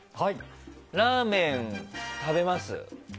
ラーメン食べます。